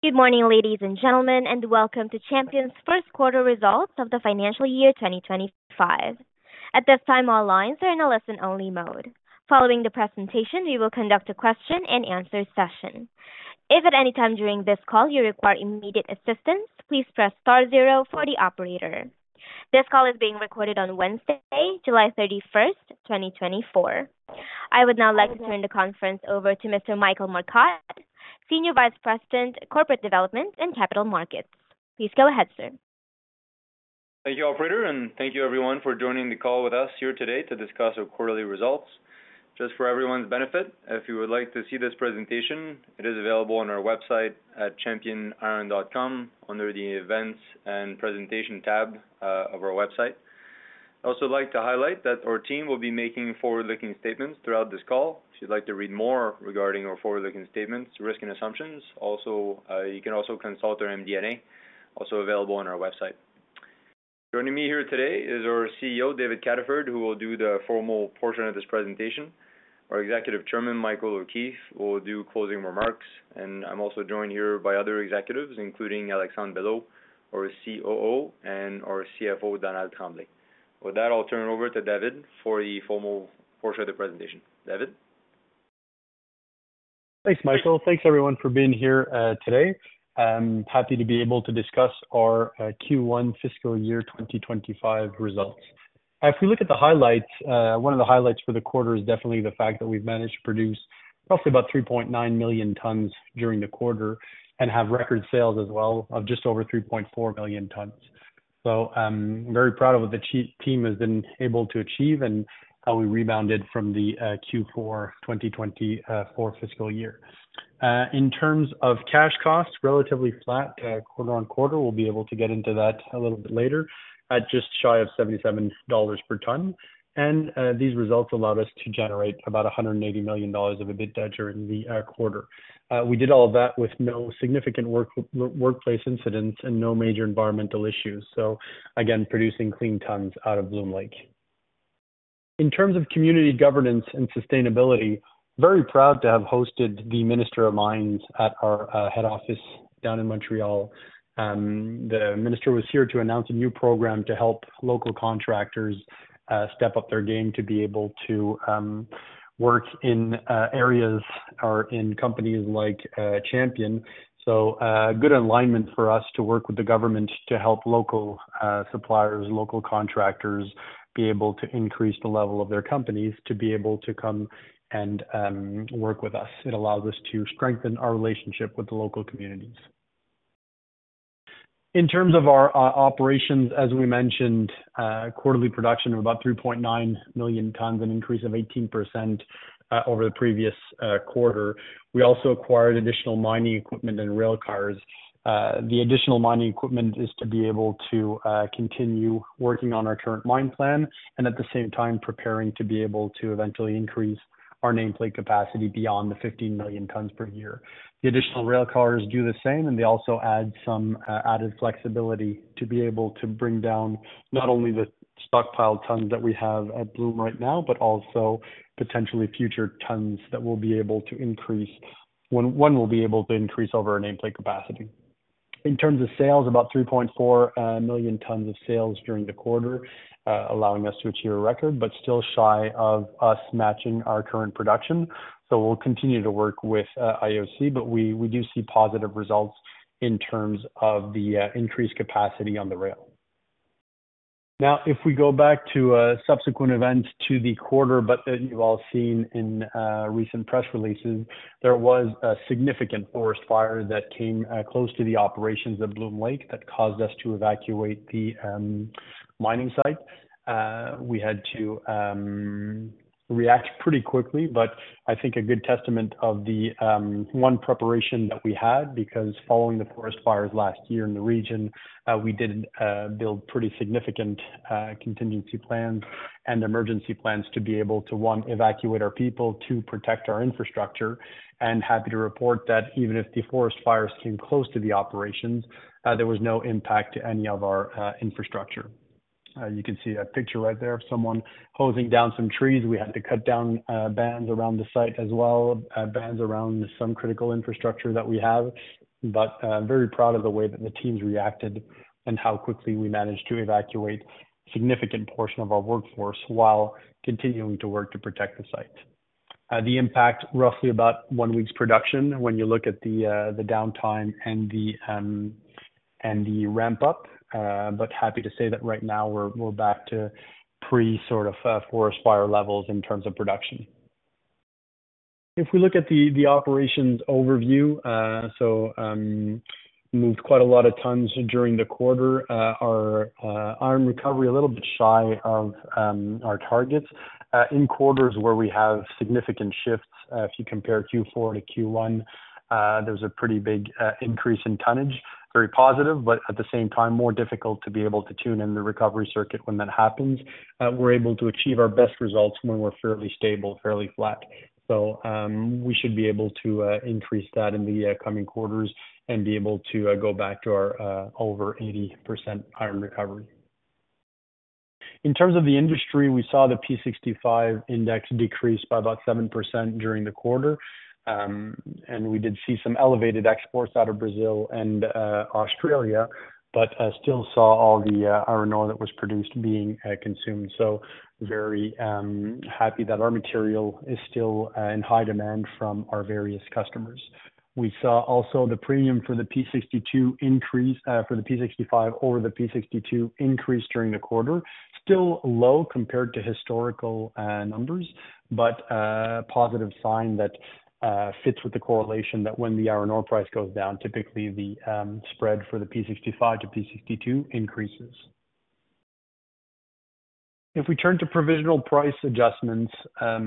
Good morning, ladies, and gentlemen, and welcome to Champion's First Quarter Results of the Financial Year 2025. At this time, all lines are in a listen-only mode. Following the presentation, we will conduct a question-and-answer session. If at any time during this call you require immediate assistance, please press star zero for the Operator. This call is being recorded on Wednesday, July 31, 2024. I would now like to turn the conference over to Mr. Michael Marcotte, Senior Vice President, Corporate Development and Capital Markets. Please go ahead, sir. Thank you, Operator, and thank you everyone for joining the call with us here today to discuss our quarterly results. Just for everyone's benefit, if you would like to see this presentation, it is available on our website at championiron.com, under the Events and Presentation tab of our website. I'd also like to highlight that our team will be making forward-looking statements throughout this call. If you'd like to read more regarding our forward-looking statements, risks and assumptions, also, you can also consult our MD&A, also available on our website. Joining me here today is our CEO, David Cataford, who will do the formal portion of this presentation. Our Executive Chairman, Michael O'Keeffe, will do closing remarks, and I'm also joined here by other executives, including Alexandre Belleau, our COO, and our CFO, Donald Tremblay. With that, I'll turn it over to David for the formal portion of the presentation. David? Thanks, Michael. Thanks, everyone, for being here today. I'm happy to be able to discuss our Q1 Fiscal Year 2025 Results. If we look at the highlights, one of the highlights for the quarter is definitely the fact that we've managed to produce roughly about 3.9 million tons during the quarter and have record sales as well of just over 3.4 million tons. So I'm very proud of what the team has been able to achieve and how we rebounded from the Q4 2024 fiscal year. In terms of cash costs, relatively flat quarter-on-quarter, we'll be able to get into that a little bit later, at just shy of $77 per ton. These results allowed us to generate about $180 million of EBITDA during the quarter. We did all of that with no significant workplace incidents and no major environmental issues. So again, producing clean tons out of Bloom Lake. In terms of community governance and sustainability, very proud to have hosted the Minister of Mines at our head office down in Montreal. The Minister was here to announce a new program to help local contractors step up their game to be able to work in areas or in companies like Champion. So, good alignment for us to work with the government to help local suppliers, local contractors, be able to increase the level of their companies to be able to come and work with us. It allows us to strengthen our relationship with the local communities. In terms of our operations, as we mentioned, quarterly production of about 3.9 million tons, an increase of 18%, over the previous quarter. We also acquired additional mining equipment and rail cars. The additional mining equipment is to be able to continue working on our current mine plan and at the same time preparing to be able to eventually increase our nameplate capacity beyond the 15 million tons per year. The additional rail cars do the same, and they also add some added flexibility to be able to bring down not only the stockpiled tons that we have at Bloom right now, but also potentially future tons that we'll be able to increase, when one will be able to increase over our nameplate capacity. In terms of sales, about 3.4 million tons of sales during the quarter, allowing us to achieve a record, but still shy of us matching our current production. So we'll continue to work with, IOC, but we, we do see positive results in terms of the, increased capacity on the rail. Now, if we go back to a subsequent event to the quarter, but that you've all seen in, recent press releases, there was a significant forest fire that came, close to the operations of Bloom Lake that caused us to evacuate the, mining site. We had to react pretty quickly, but I think a good testament of the one preparation that we had, because following the forest fires last year in the region, we did build pretty significant contingency plans and emergency plans to be able to, one, evacuate our people, two, protect our infrastructure. Happy to report that even if the forest fires came close to the operations, there was no impact to any of our infrastructure. You can see that picture right there of someone hosing down some trees. We had to cut down bands around the site as well, bands around some critical infrastructure that we have, but very proud of the way that the teams reacted and how quickly we managed to evacuate significant portion of our workforce while continuing to work to protect the site. The impact, roughly about one week's production when you look at the downtime and the ramp up, but happy to say that right now we're, we're back to pre sort of forest fire levels in terms of production. If we look at the operations overview, so, moved quite a lot of tons during the quarter. Our iron recovery, a little bit shy of our targets. In quarters where we have significant shifts, if you compare Q4-Q1, there was a pretty big increase in tonnage. Very positive, but at the same time, more difficult to be able to tune in the recovery circuit when that happens. We're able to achieve our best results when we're fairly stable, fairly flat. So, we should be able to increase that in the coming quarters and be able to go back to our over 80% iron recovery. In terms of the industry, we saw the P65 index decrease by about 7% during the quarter. And we did see some elevated exports out of Brazil and Australia, but still saw all the iron ore that was produced being consumed. So very happy that our material is still in high demand from our various customers. We saw also the premium for the P62 increase for the P65 over the P62 increase during the quarter. Still low compared to historical numbers, but positive sign that fits with the correlation that when the iron ore price goes down, typically the spread for the P65 to P62 increases. If we turn to provisional price adjustments, there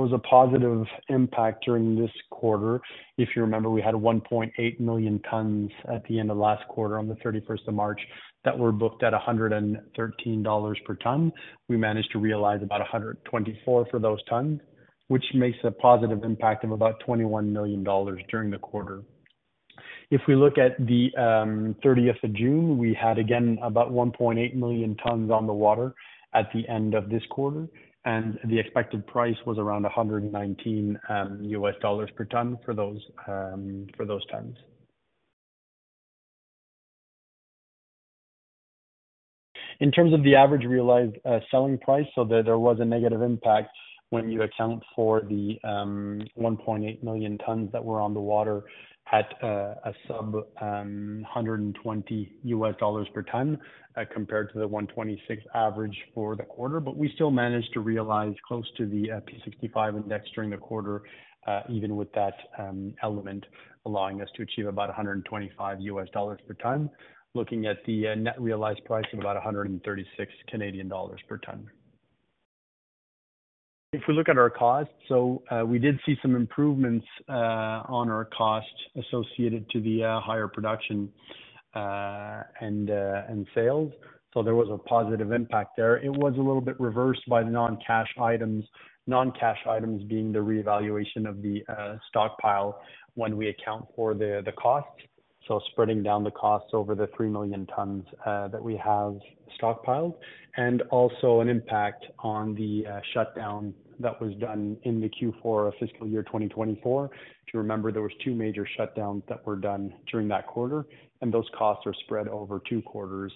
was a positive impact during this quarter. If you remember, we had 1.8 million tons at the end of last quarter on the 31 of March, that were booked at $113 per ton. We managed to realize about $124 for those tons, which makes a positive impact of about $21 million during the quarter. If we look at the 30 of June, we had, again, about 1.8 million tons on the water at the end of this quarter, and the expected price was around $119 per ton for those tons. In terms of the average realized selling price, so there was a negative impact when you account for the 1.8 million tons that were on the water at a sub-$120 per ton, compared to the $126 average for the quarter. But we still managed to realize close to the P65 index during the quarter, even with that element, allowing us to achieve about $125 per ton, looking at the net realized price of about 136 Canadian dollars per ton. If we look at our costs, so we did see some improvements on our costs associated to the higher production and sales. So there was a positive impact there. It was a little bit reversed by the non-cash items, non-cash items being the revaluation of the stockpile when we account for the cost. So spreading down the costs over the 3 million tons that we have stockpiled, and also an impact on the shutdown that was done in the Q4 fiscal year 2024. To remember, there was two major shutdowns that were done during that quarter, and those costs are spread over two quarters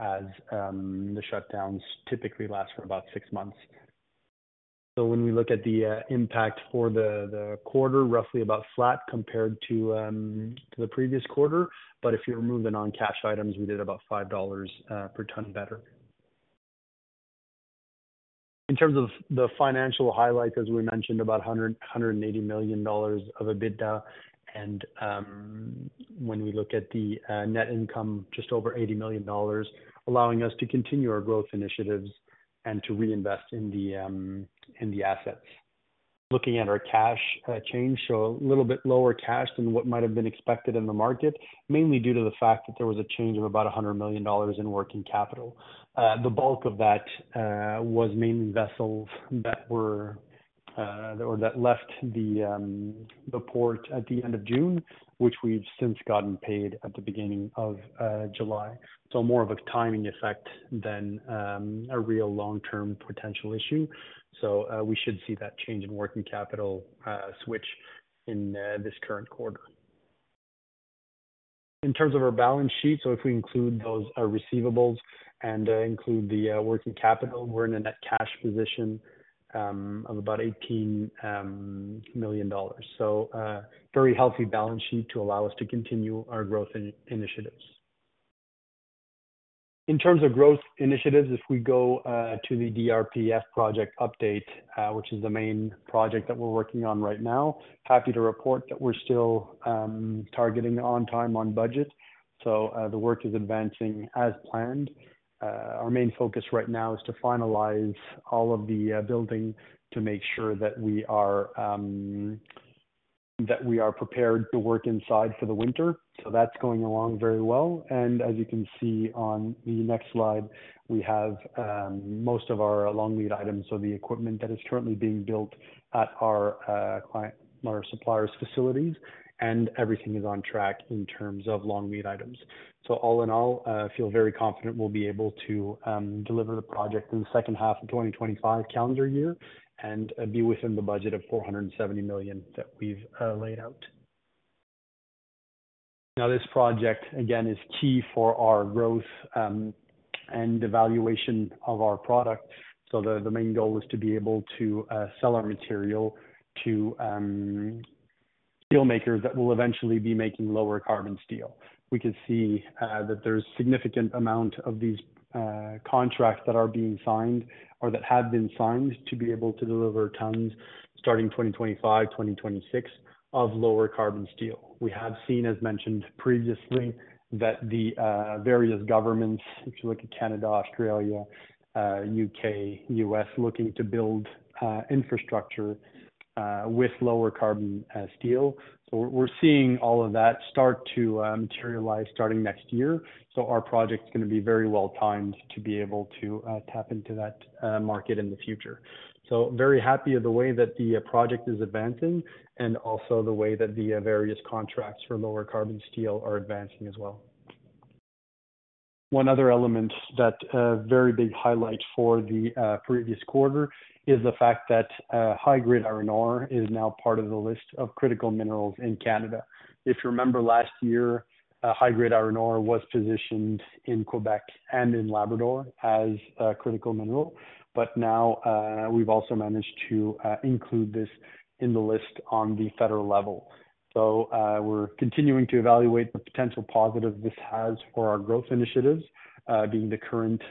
as the shutdowns typically last for about six months. So when we look at the impact for the quarter, roughly about flat compared to the previous quarter. But if you remove the non-cash items, we did about $5 per ton better. In terms of the financial highlight, as we mentioned, about $180 million of EBITDA. And, when we look at the net income, just over $80 million, allowing us to continue our growth initiatives and to reinvest in the assets. Looking at our cash change, so a little bit lower cash than what might have been expected in the market, mainly due to the fact that there was a change of about $100 million in working capital. The bulk of that was mainly vessels that were or that left the port at the end of June, which we've since gotten paid at the beginning of July. So more of a timing effect than a real long-term potential issue. So, we should see that change in working capital switch in this current quarter. In terms of our balance sheet, so if we include those, receivables and include the working capital, we're in a net cash position of about $18 million. So, very healthy balance sheet to allow us to continue our growth initiatives. In terms of growth initiatives, if we go to the DRPF project update, which is the main project that we're working on right now, happy to report that we're still targeting on time, on budget. So, the work is advancing as planned. Our main focus right now is to finalize all of the building to make sure that we are, that we are prepared to work inside for the winter. So that's going along very well. As you can see on the next slide, we have most of our long-lead items, so the equipment that is currently being built at our suppliers' facilities, and everything is on track in terms of long-lead items. So all in all, I feel very confident we'll be able to deliver the project in the second half of 2025 calendar year and be within the budget of 470 million that we've laid out. Now, this project, again, is key for our growth and the valuation of our product. So the main goal is to be able to sell our material to steel makers that will eventually be making lower carbon steel. We can see that there's significant amount of these contracts that are being signed or that have been signed, to be able to deliver tons, starting 2025, 2026, of lower carbon steel. We have seen, as mentioned previously, that the various governments, if you look at Canada, Australia, U.K., U.S., looking to build infrastructure with lower carbon steel. So we're, we're seeing all of that start to materialize starting next year. So our project is gonna be very well timed to be able to tap into that market in the future. So very happy of the way that the project is advancing and also the way that the various contracts for lower carbon steel are advancing as well. One other element that, a very big highlight for the previous quarter is the fact that high-grade iron ore is now part of the list of critical minerals in Canada. If you remember last year, high-grade iron ore was positioned in Quebec and in Labrador as a critical mineral, but now, we've also managed to include this in the list on the federal level. So, we're continuing to evaluate the potential positive this has for our growth initiatives, being the current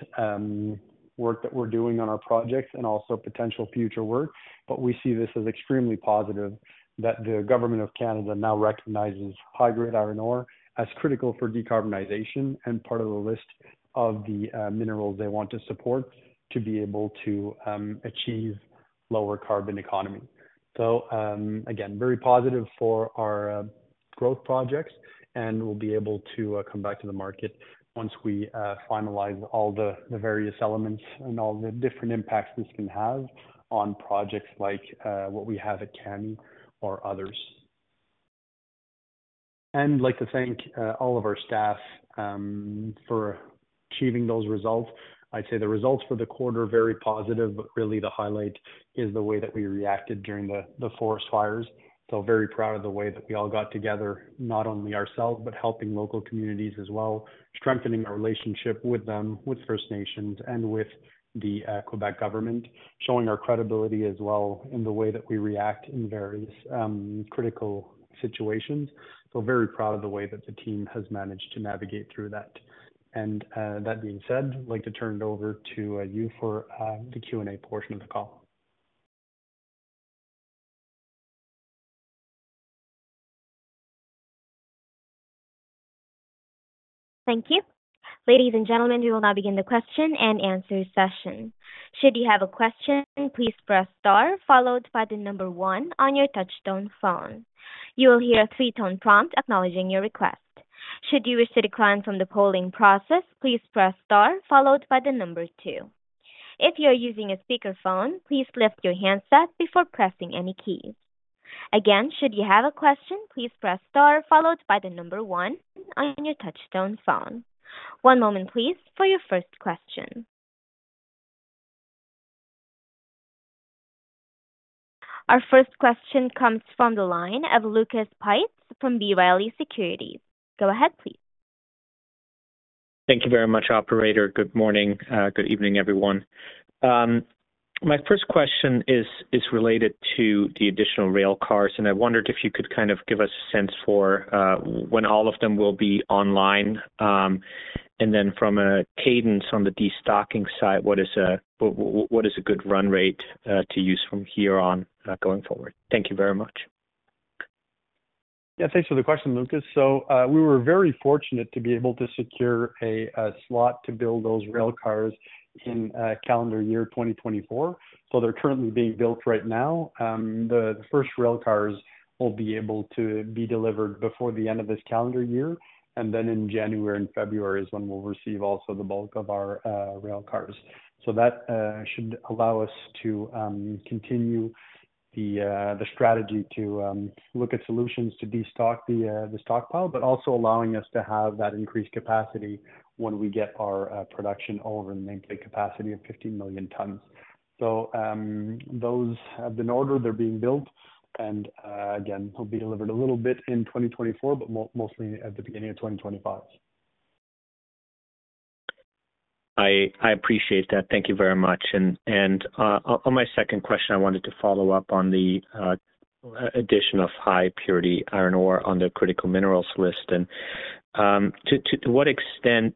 work that we're doing on our projects and also potential future work. But we see this as extremely positive, that the government of Canada now recognizes high-grade iron ore as critical for decarbonization, and part of the list of the minerals they want to support to be able to achieve lower carbon economy. So, again, very positive for our growth projects, and we'll be able to come back to the market once we finalize all the various elements and all the different impacts this can have on projects like what we have at Kami or others. I'd like to thank all of our staff for achieving those results. I'd say the results for the quarter, very positive, but really the highlight is the way that we reacted during the forest fires. So very proud of the way that we all got together, not only ourselves, but helping local communities as well, strengthening our relationship with them, with First Nations and with the Quebec government. Showing our credibility as well in the way that we react in various critical situations. So very proud of the way that the team has managed to navigate through that. And, that being said, I'd like to turn it over to you, for the Q&A portion of the call. Thank you. Ladies, and gentlemen, we will now begin the question-and-answer session. Should you have a question, please press star followed by the number one on your touchtone phone. You will hear a three-tone prompt acknowledging your request. Should you wish to decline from the polling process, please press star followed by the number two. If you're using a speakerphone, please lift your handset before pressing any keys. Again, should you have a question, please press star followed by the number one on your touchtone phone. One moment, please, for your first question. Our first question comes from the line of Lucas Pipes from B. Riley Securities. Go ahead, please. Thank you very much, Operator. Good morning, good evening, everyone. My first question is related to the additional rail cars, and I wondered if you could kind of give us a sense for when all of them will be online. And then from a cadence on the destocking side, what is a good run rate to use from here on going forward? Thank you very much. Yeah, thanks for the question, Lucas. So, we were very fortunate to be able to secure a slot to build those rail cars in calendar year 2024. So they're currently being built right now. The first rail cars will be able to be delivered before the end of this calendar year, and then in January and February is when we'll receive also the bulk of our rail cars. So that should allow us to continue the strategy to look at solutions to destock the stockpile, but also allowing us to have that increased capacity when we get our production over the capacity of 15 million tons. So, those have been ordered, they're being built, and, again, they'll be delivered a little bit in 2024, but mostly at the beginning of 2025. I appreciate that. Thank you very much. On my second question, I wanted to follow up on the addition of high purity iron ore on the critical minerals list. To what extent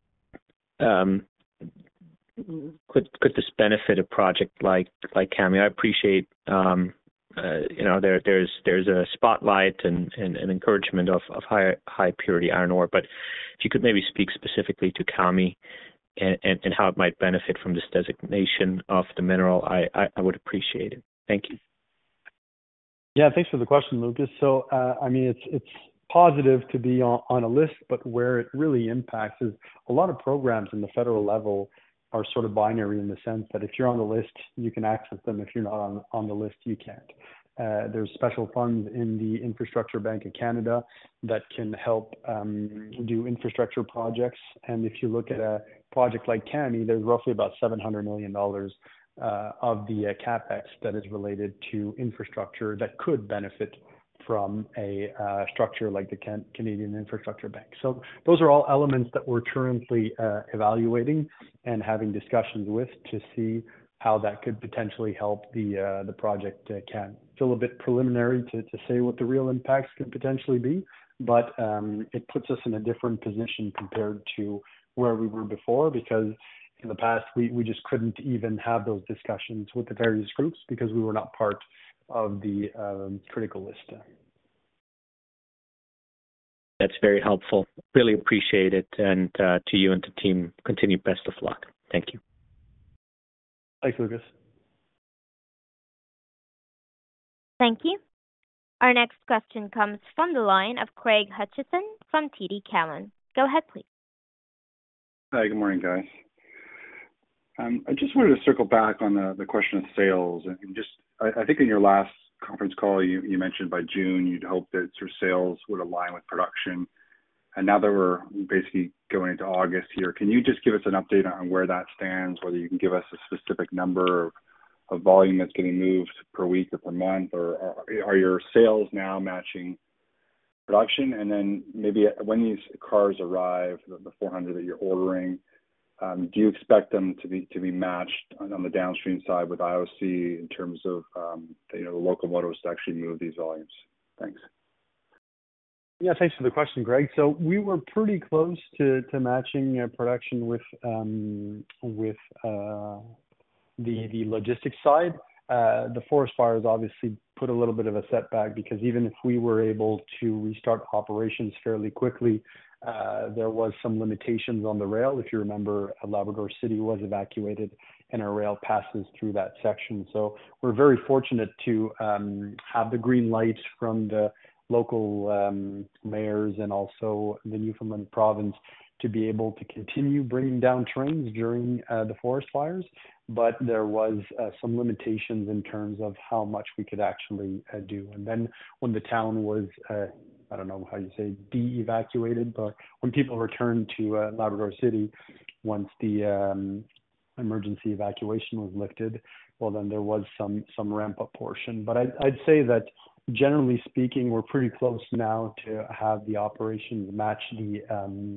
could this benefit a project like Kami? I appreciate, you know, there's a spotlight and an encouragement of higher high purity iron ore, but if you could maybe speak specifically to Kami and how it might benefit from this designation of the mineral, I would appreciate it. Thank you. Yeah, thanks for the question, Lucas. So, I mean, it's positive to be on a list, but where it really impacts is a lot of programs in the federal level are sort of binary in the sense that if you're on the list, you can access them. If you're not on the list, you can't. There's special funds in the Infrastructure Bank of Canada that can help do infrastructure projects. And if you look at a project like Kami, there's roughly about 700 million dollars of the CapEx that is related to infrastructure that could benefit from a structure like the Canadian Infrastructure Bank. So those are all elements that we're currently evaluating and having discussions with to see how that could potentially help the project, Kami. It's a little bit preliminary to say what the real impacts could potentially be, but it puts us in a different position compared to where we were before, because in the past, we just couldn't even have those discussions with the various groups because we were not part of the critical list. That's very helpful. Really appreciate it. And, to you and the team, continue. Best of luck. Thank you. Thanks, Lucas. Thank you. Our next question comes from the line of Craig Hutchison from TD Cowen. Go ahead, please. Hi, good morning, guys.... I just wanted to circle back on the question of sales. And just, I think in your last conference call, you mentioned by June you'd hope that your sales would align with production, and now that we're basically going into August here, can you just give us an update on where that stands, whether you can give us a specific number of volume that's getting moved per week or per month, or are your sales now matching production? And then maybe when these cars arrive, the 400 that you're ordering, do you expect them to be matched on the downstream side with IOC in terms of, you know, the locomotives to actually move these volumes? Thanks. Yeah, thanks for the question, Craig. So we were pretty close to matching production with the logistics side. The forest fires obviously put a little bit of a setback, because even if we were able to restart operations fairly quickly, there was some limitations on the rail. If you remember, Labrador City was evacuated, and our rail passes through that section. So we're very fortunate to have the green light from the local mayors and also the Newfoundland province to be able to continue bringing down trains during the forest fires. But there was some limitations in terms of how much we could actually do. And then when the town was, I don't know how you say, de-evacuated, but when people returned to Labrador City once the emergency evacuation was lifted, well, then there was some ramp-up portion. But I'd say that generally speaking, we're pretty close now to have the operation match the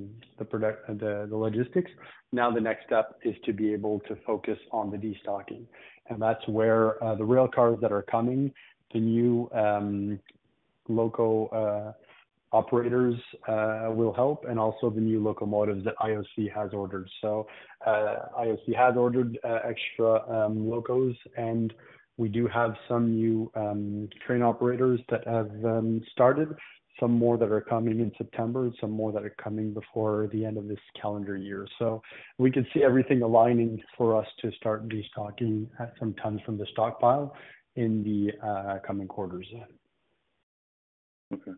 logistics. Now, the next step is to be able to focus on the destocking, and that's where the rail cars that are coming, the new local operators will help, and also the new locomotives that IOC has ordered. So, IOC has ordered extra locos, and we do have some new train operators that have started, some more that are coming in September and some more that are coming before the end of this calendar year. We could see everything aligning for us to start destocking some tons from the stockpile in the coming quarters. Okay.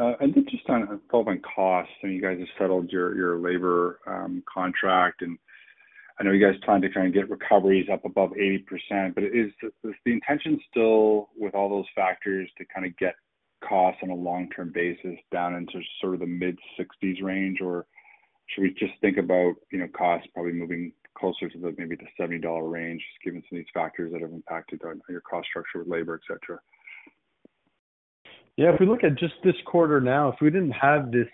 And just on following costs, I know you guys have settled your, your labor, contract, and I know you guys are trying to kind of get recoveries up above 80%, but is the, is the intention still, with all those factors, to kind of get costs on a long-term basis down into sort of the mid-60s range? Or should we just think about, you know, costs probably moving closer to the, maybe the $70 range, just given some of these factors that have impacted on your cost structure with labor, et cetera? Yeah, if we look at just this quarter now, if we didn't have this,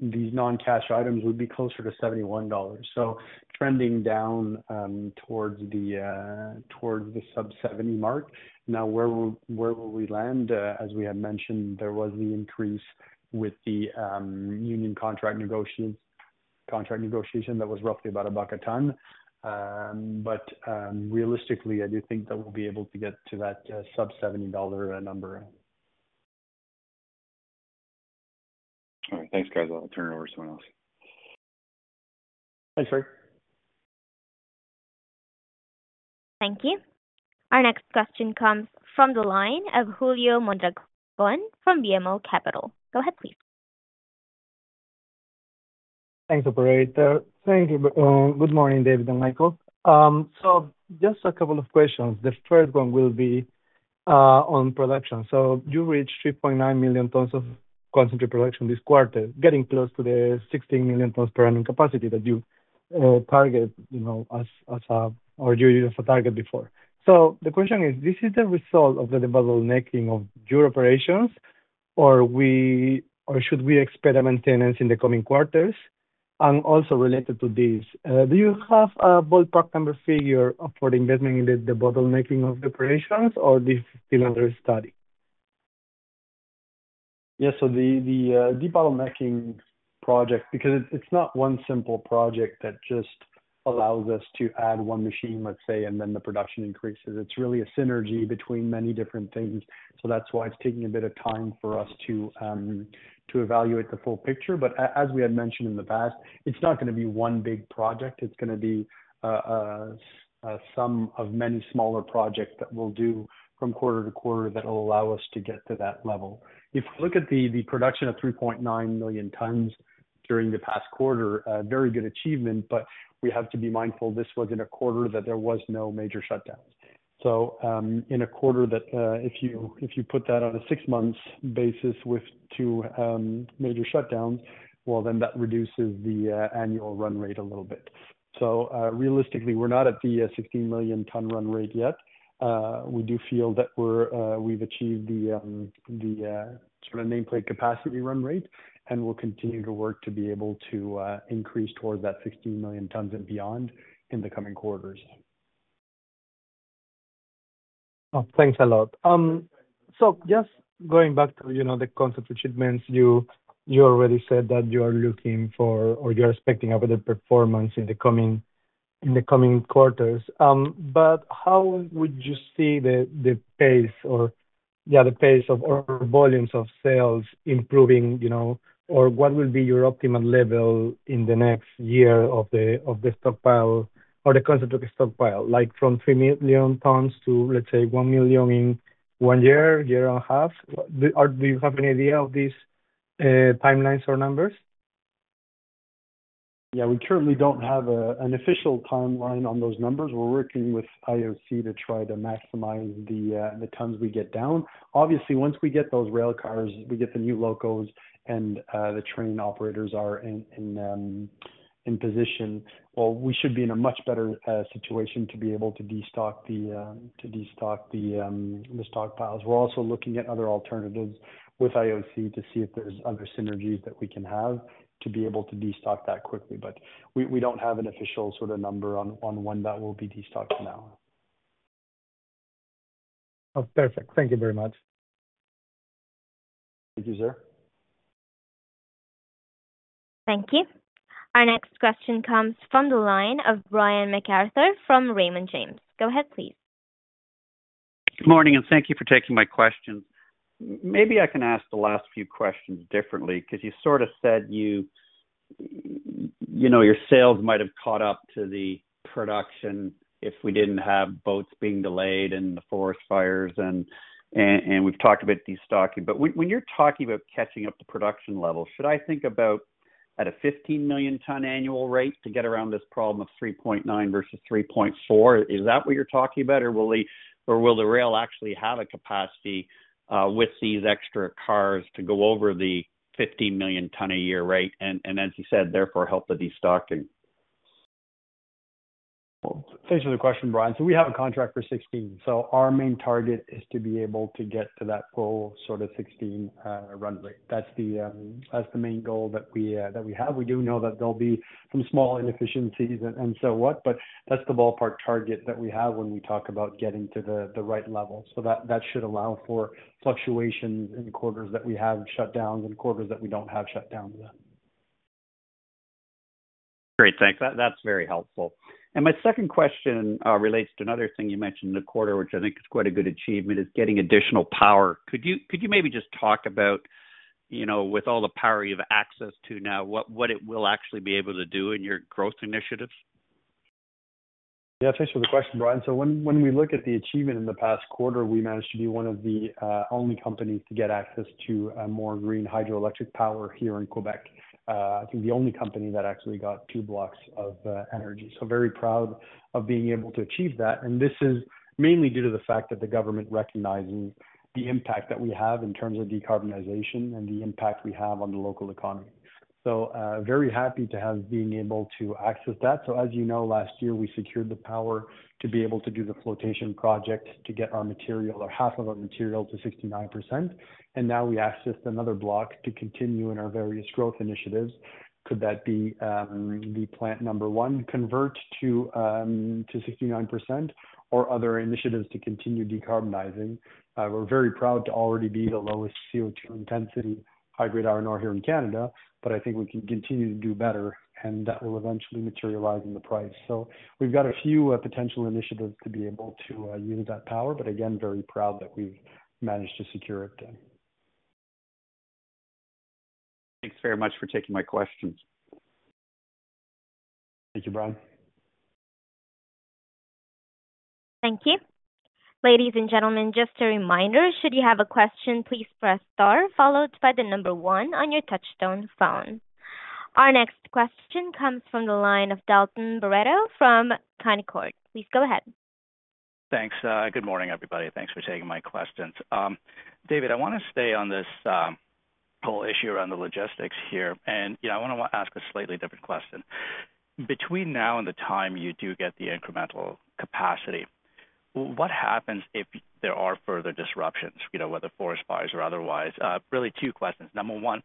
these non-cash items, we'd be closer to $71. So trending down, towards the sub-$70 mark. Now, where will we land? As we had mentioned, there was the increase with the union contract negotiation that was roughly about $1 a ton. But realistically, I do think that we'll be able to get to that sub-$70 number. All right. Thanks, guys. I'll turn it over to someone else. Thanks, Craig. Thank you. Our next question comes from the line of Julio Mondragon from BMO Capital. Go ahead, please. Thanks, Operator. Thank you. Good morning, David and Michael. So just a couple of questions. The first one will be on production. So you reached 3.9 million tons of concentrate production this quarter, getting close to the 16 million tons per annum capacity that you target, you know, as a target before. So the question is, this is the result of the debottlenecking of your operations, or should we expect maintenance in the coming quarters? And also related to this, do you have a ballpark number figure for investment in the debottlenecking of the operations or this still under study? Yeah. So the debottlenecking project, because it's not one simple project that just allows us to add one machine, let's say, and then the production increases. It's really a synergy between many different things. So that's why it's taking a bit of time for us to evaluate the full picture. But as we had mentioned in the past, it's not gonna be one big project. It's gonna be a sum of many smaller projects that we'll do from quarter to quarter that will allow us to get to that level. If we look at the production of 3.9 million tons during the past quarter, a very good achievement, but we have to be mindful this was in a quarter that there was no major shutdowns. So, in a quarter that, if you, if you put that on a six months basis with two major shutdowns, well, then that reduces the annual run rate a little bit. So, realistically, we're not at the 16 million ton run rate yet. We do feel that we're, we've achieved the the sort of nameplate capacity run rate, and we'll continue to work to be able to increase towards that 16 million tons and beyond in the coming quarters. Oh, thanks a lot. So just going back to, you know, the concentrate shipments, you already said that you are looking for or you're expecting a better performance in the coming quarters. But how would you see the pace of or volumes of sales improving, you know, or what will be your optimal level in the next year of the stockpile or the concentrate of the stockpile, like from 3 million tons to, let's say, 1 million in one year, a year and a half? Do you have any idea of this? Timelines or numbers? Yeah, we currently don't have an official timeline on those numbers. We're working with IOC to try to maximize the tons we get down. Obviously, once we get those rail cars, we get the new locals and the train operators are in position, well, we should be in a much better situation to be able to destock the stockpiles. We're also looking at other alternatives with IOC to see if there's other synergies that we can have to be able to destock that quickly. But we don't have an official sort of number on when that will be destocked now. Oh, perfect. Thank you very much. Thank you, sir. Thank you. Our next question comes from the line of Brian MacArthur from Raymond James. Go ahead, please. Good morning, and thank you for taking my questions. Maybe I can ask the last few questions differently, because you sort of said you, you know, your sales might have caught up to the production if we didn't have boats being delayed and the forest fires and we've talked about destocking. But when you're talking about catching up to production levels, should I think about at a 15 million ton annual rate to get around this problem of 3.9 versus 3.4? Is that what you're talking about, or will the rail actually have a capacity with these extra cars to go over the 15 million ton a year rate, and as you said, therefore, help the destocking? Thanks for the question, Brian. So we have a contract for 16, so our main target is to be able to get to that full sort of 16 run rate. That's the main goal that we have. We do know that there'll be some small inefficiencies and so what, but that's the ballpark target that we have when we talk about getting to the right level. So that should allow for fluctuations in quarters that we have shutdowns and quarters that we don't have shutdowns then. Great, thanks. That’s very helpful. And my second question relates to another thing you mentioned in the quarter, which I think is quite a good achievement, is getting additional power. Could you maybe just talk about, you know, with all the power you have access to now, what it will actually be able to do in your growth initiatives? Yeah, thanks for the question, Brian. So when we look at the achievement in the past quarter, we managed to be one of the only companies to get access to more green hydroelectric power here in Quebec. I think the only company that actually got two blocks of energy. So very proud of being able to achieve that, and this is mainly due to the fact that the government recognizing the impact that we have in terms of decarbonization and the impact we have on the local economy. So very happy to have been able to access that. So as you know, last year, we secured the power to be able to do the flotation project, to get our material or half of our material to 69%, and now we accessed another block to continue in our various growth initiatives. Could that be, the plant number one, convert to, to 69% or other initiatives to continue decarbonizing? We're very proud to already be the lowest CO2 intensity, high-grade iron ore here in Canada, but I think we can continue to do better, and that will eventually materialize in the price. So we've got a few, potential initiatives to be able to, use that power, but again, very proud that we've managed to secure it then. Thanks very much for taking my questions. Thank you, Brian. Thank you. Ladies, and gentlemen, just a reminder, should you have a question, please press star followed by the number one on your touchtone phone. Our next question comes from the line of Dalton Barreto from Canaccord. Please go ahead. Thanks. Good morning, everybody. Thanks for taking my questions. David, I wanna stay on this whole issue around the logistics here, and, you know, I wanna ask a slightly different question. Between now and the time you do get the incremental capacity, what happens if there are further disruptions, you know, whether forest fires or otherwise? Really two questions. Number one,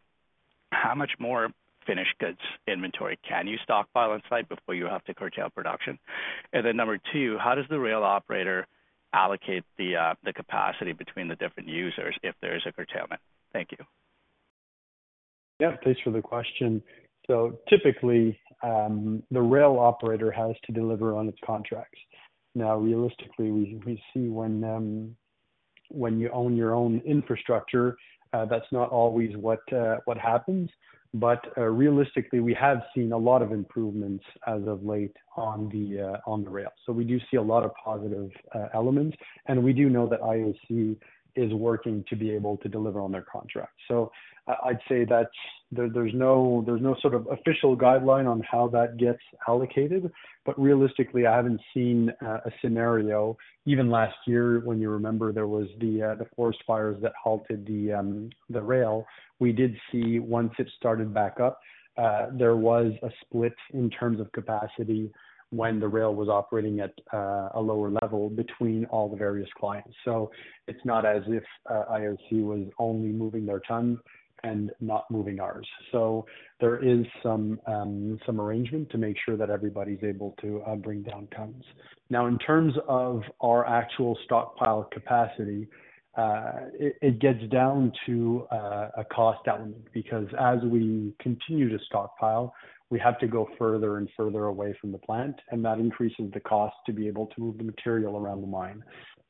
how much more finished goods inventory can you stockpile on site before you have to curtail production? And then number two, how does the rail operator allocate the capacity between the different users if there is a curtailment? Thank you. Yeah, thanks for the question. So typically, the rail operator has to deliver on its contracts. Now, realistically, we see when you own your own infrastructure, that's not always what happens. But realistically, we have seen a lot of improvements as of late on the rail. So we do see a lot of positive elements, and we do know that IOC is working to be able to deliver on their contract. So I'd say that there's no sort of official guideline on how that gets allocated, but realistically, I haven't seen a scenario. Even last year, when you remember, there was the forest fires that halted the rail, we did see once it started back up, there was a split in terms of capacity when the rail was operating at a lower level between all the various clients. So it's not as if, IOC was only moving their ton and not moving ours. So there is some arrangement to make sure that everybody's able to bring down tons. Now, in terms of our actual stockpile capacity, it gets down to a cost down, because as we continue to stockpile, we have to go further and further away from the plant, and that increases the cost to be able to move the material around the mine.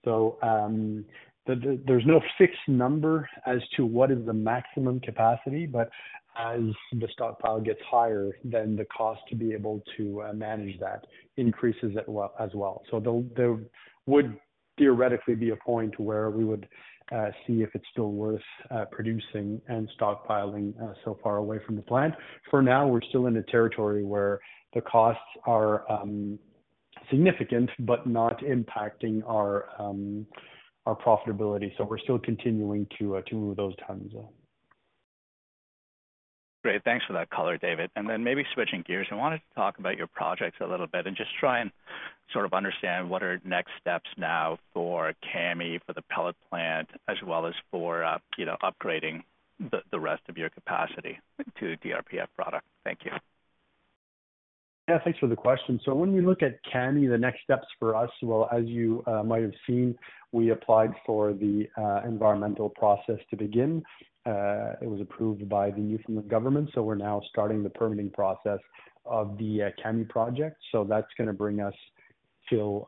So, the... There's no fixed number as to what is the maximum capacity, but as the stockpile gets higher, then the cost to be able to manage that increases as well. So there would theoretically be a point where we would see if it's still worth producing and stockpiling so far away from the plant. For now, we're still in a territory where the costs are significant, but not impacting our profitability, so we're still continuing to move those tons. Great. Thanks for that color, David. And then maybe switching gears, I wanted to talk about your projects a little bit and just try and sort of understand what are next steps now for Kami, for the pellet plant, as well as for, you know, upgrading the rest of your capacity to DRPF product. Thank you. Yeah, thanks for the question. So when we look at Kami, the next steps for us, well, as you might have seen, we applied for the environmental process to begin. It was approved by the Newfoundland government, so we're now starting the permitting process of the Kami project. So that's gonna bring us till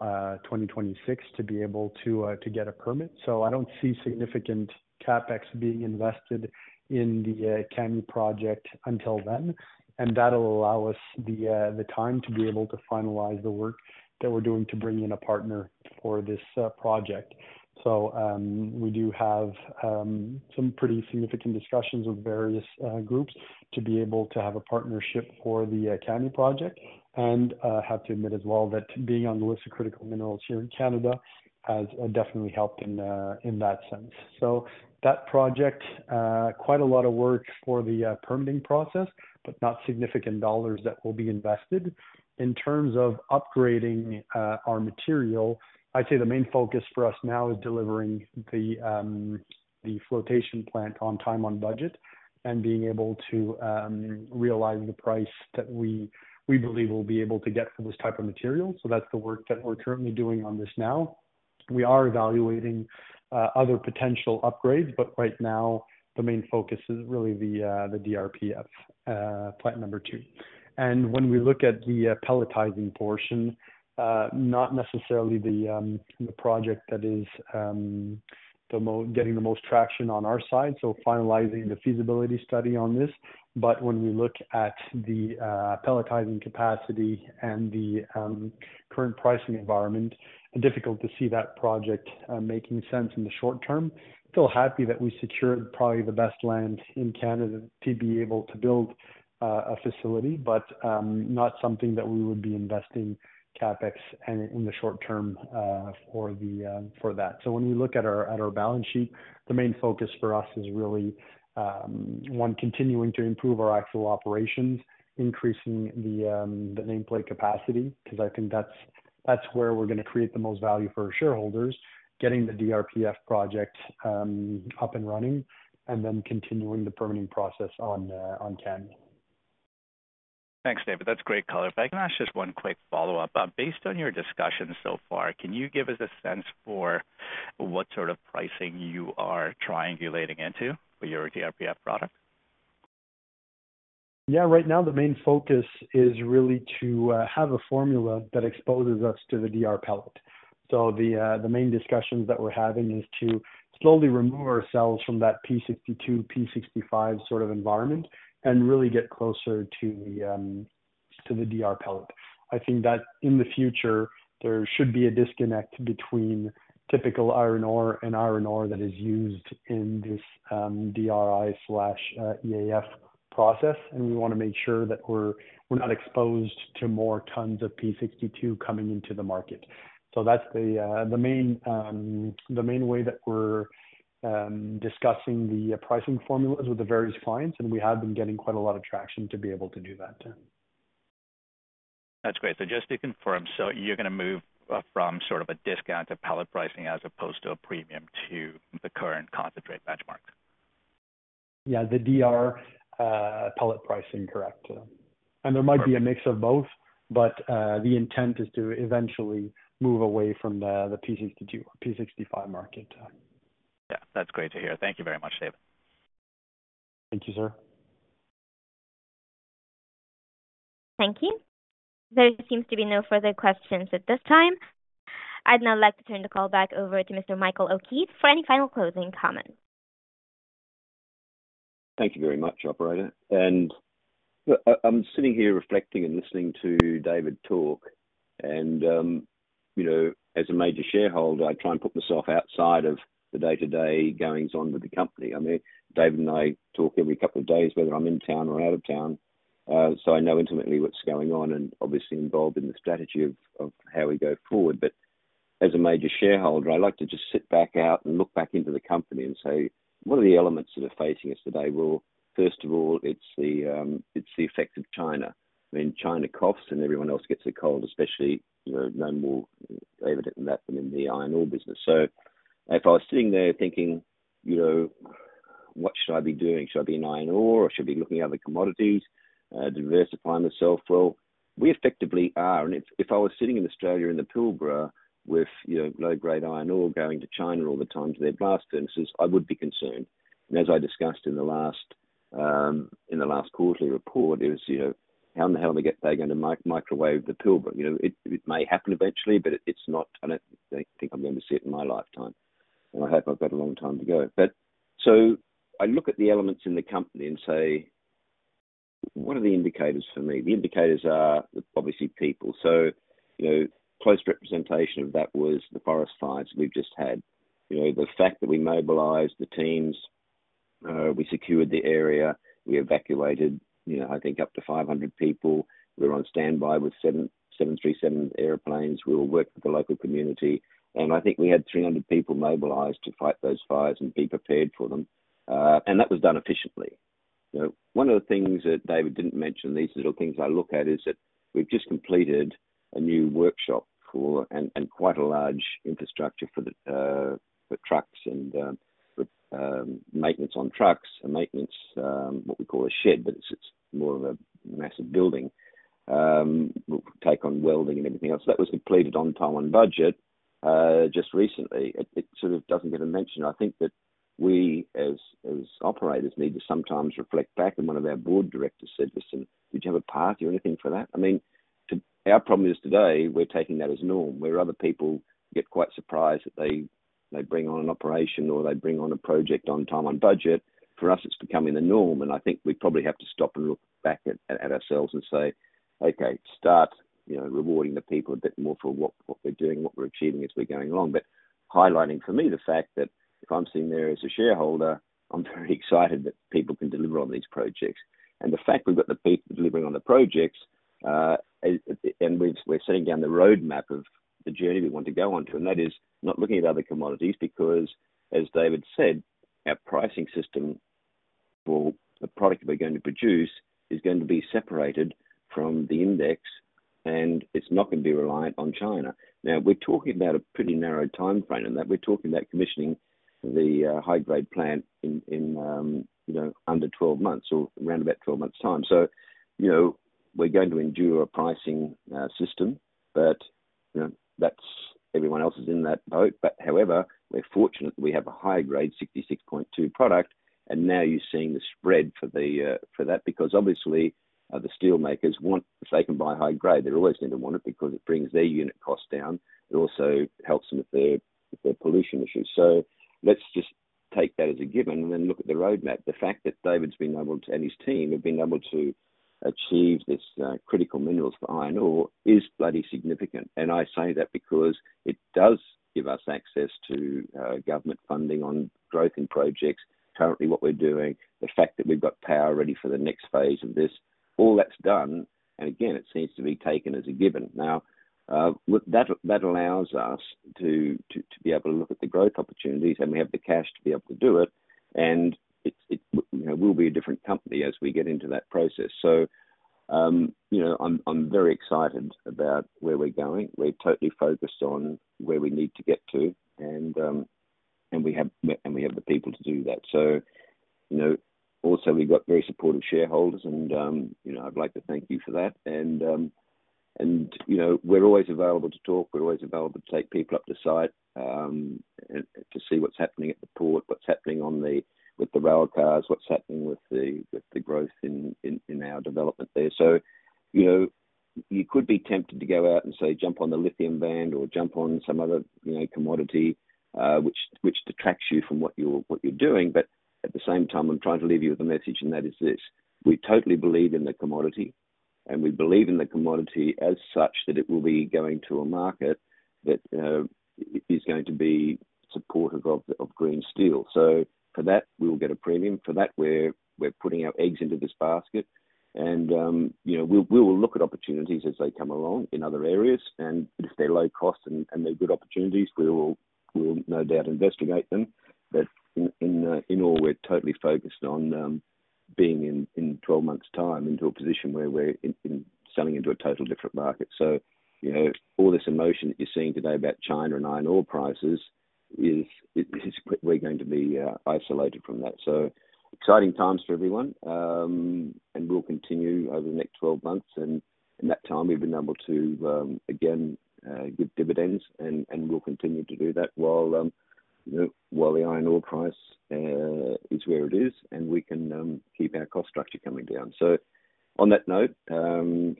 2026 to be able to to get a permit. So I don't see significant CapEx being invested in the Kami project until then, and that'll allow us the the time to be able to finalize the work that we're doing to bring in a partner for this project. So, we do have some pretty significant discussions with various groups to be able to have a partnership for the Kami project. And, I have to admit as well, that being on the list of critical minerals here in Canada has, definitely helped in, in that sense. So that project, quite a lot of work for the, permitting process, but not significant dollars that will be invested. In terms of upgrading, our material, I'd say the main focus for us now is delivering the, the flotation plant on time, on budget, and being able to, realize the price that we, we believe we'll be able to get for this type of material. So that's the work that we're currently doing on this now. We are evaluating, other potential upgrades, but right now the main focus is really the, the DRPF, plant number two. And when we look at the pelletizing portion, not necessarily the project that is getting the most traction on our side, so finalizing the feasibility study on this. But when we look at the pelletizing capacity and the current pricing environment, difficult to see that project making sense in the short term. Still happy that we secured probably the best land in Canada to be able to build a facility, but not something that we would be investing CapEx in, in the short term, for that. So when we look at our balance sheet, the main focus for us is really one, continuing to improve our actual operations, increasing the nameplate capacity, 'cause I think that's where we're gonna create the most value for our shareholders. Getting the DRPF project up and running, and then continuing the permitting process on Kami. Thanks, David. That's great color. If I can ask just one quick follow-up. Based on your discussions so far, can you give us a sense for what sort of pricing you are triangulating into for your DRPF product? Yeah. Right now, the main focus is really to have a formula that exposes us to the DR pellet. So the main discussions that we're having is to slowly remove ourselves from that P62, P65 sort of environment and really get closer to the DR pellet. I think that in the future, there should be a disconnect between typical iron ore and iron ore that is used in this DRI slash EAF process, and we wanna make sure that we're not exposed to more tons of P62 coming into the market. So that's the main way that we're discussing the pricing formulas with the various clients, and we have been getting quite a lot of traction to be able to do that. That's great. So just to confirm, so you're gonna move from sort of a discount to pellet pricing as opposed to a premium to the current concentrate benchmark? Yeah, the DR pellet pricing, correct. And there might be a mix of both, but the intent is to eventually move away from the P62, P65 market. Yeah, that's great to hear. Thank you very much, David. Thank you, sir. Thank you. There seems to be no further questions at this time. I'd now like to turn the call back over to Mr. Michael O'Keeffe for any final closing comments. Thank you very much, Operator. And look, I'm sitting here reflecting and listening to David talk and, you know, as a major shareholder, I try and put myself outside of the day-to-day goings-on with the company. I mean, David and I talk every couple of days, whether I'm in town or out of town, so I know intimately what's going on and obviously involved in the strategy of how we go forward. But as a major shareholder, I like to just sit back out and look back into the company and say: What are the elements that are facing us today? Well, first of all, it's the effect of China. When China coughs and everyone else gets a cold, especially, you know, no more evident than that in the iron ore business. So if I was sitting there thinking, you know, "What should I be doing? Should I be in iron ore, or should I be looking at other commodities, diversifying myself?" Well, we effectively are. And if I was sitting in Australia, in the Pilbara with, you know, low-grade iron ore, going to China all the time to their blast furnaces, I would be concerned. And as I discussed in the last quarterly report, it was, you know, how in the hell are they going to microwave the Pilbara? You know, it may happen eventually, but it's not... I don't think I'm going to see it in my lifetime. And I hope I've got a long time to go. But so I look at the elements in the company and say, "What are the indicators for me?" The indicators are obviously people. So, you know, close representation of that was the forest fires we've just had. You know, the fact that we mobilized the teams, we secured the area, we evacuated, you know, I think up to 500 people. We were on standby with seven, 737 airplanes. We were working with the local community, and I think we had 300 people mobilized to fight those fires and be prepared for them, and that was done efficiently. So one of the things that David didn't mention, these little things I look at, is that we've just completed a new workshop for and quite a large infrastructure for the trucks and the maintenance on trucks and maintenance, what we call a shed, but it's more of a massive building. We'll take on welding and everything else. So that was completed on time and budget just recently. It sort of doesn't get a mention. I think that we, as operators, need to sometimes reflect back, and one of our board directors said, "Listen, did you have a path or anything for that?" I mean, our problem is today, we're taking that as norm, where other people get quite surprised that they bring on an operation or they bring on a project on time, on budget. For us, it's becoming the norm, and I think we probably have to stop and look back at ourselves and say, "Okay, start, you know, rewarding the people a bit more for what we're doing, what we're achieving as we're going along." But highlighting for me the fact that if I'm sitting there as a shareholder, I'm very excited that people can deliver on these projects. And the fact we've got the people delivering on the projects, and we're setting down the roadmap of the journey we want to go onto, and that is not looking at other commodities, because, as David said, our pricing system for the product we're going to produce is going to be separated from the index, and it's not gonna be reliant on China. Now, we're talking about a pretty narrow timeframe, and that we're talking about commissioning the high-grade plant in, you know, under 12 months or around about 12 months' time. So, you know, we're going to endure a pricing system, but, you know, that's everyone else is in that boat. But however, we're fortunate we have a high-grade 66.2 product, and now you're seeing the spread for that, because obviously, the steel makers want, if they can buy high grade, they're always going to want it because it brings their unit cost down. It also helps them with their, with their pollution issues. So let's just take that as a given and then look at the roadmap. The fact that David's been able to, and his team, have been able to achieve this, Critical Minerals for iron ore is bloody significant. I say that because it does give us access to, government funding on growth and projects. Currently, what we're doing, the fact that we've got power ready for the next phase of this, all that's done, and again, it seems to be taken as a given. Now, with that, that allows us to be able to look at the growth opportunities, and we have the cash to be able to do it, and it, you know, we'll be a different company as we get into that process. So, you know, I'm very excited about where we're going. We're totally focused on where we need to get to, and we have the people to do that. So, you know, also, we've got very supportive shareholders, and, you know, I'd like to thank you for that. And, you know, we're always available to talk. We're always available to take people up to site, and to see what's happening at the port, what's happening on the with the rail cars, what's happening with the growth in our development there. So, you know, you could be tempted to go out and say, "Jump on the lithium band," or "Jump on some other, you know, commodity," which detracts you from what you're doing. But at the same time, I'm trying to leave you with a message, and that is this: We totally believe in the commodity, and we believe in the commodity as such that it will be going to a market that is going to be supportive of green steel. So for that, we will get a premium. For that, we're putting our eggs into this basket, and you know, we will look at opportunities as they come along in other areas, and if they're low cost and they're good opportunities, we will no doubt investigate them. But in all, we're totally focused on being in 12 months' time into a position where we're in selling into a total different market. So, you know, all this emotion that you're seeing today about China and iron ore prices is. We're going to be isolated from that. So exciting times for everyone, and we'll continue over the next 12 months, and in that time, we've been able to, again, give dividends, and we'll continue to do that while, you know, while the iron ore price is where it is, and we can keep our cost structure coming down. So on that note,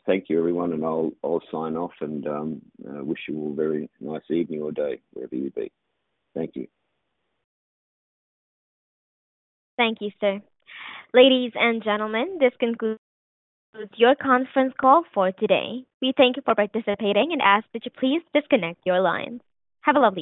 thank you, everyone, and I'll sign off and wish you all a very nice evening or day, wherever you be. Thank you. Thank you, sir. Ladies, and gentlemen, this concludes your conference call for today. We thank you for participating and ask that you please disconnect your line. Have a lovely day.